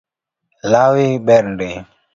Lawi ber ndi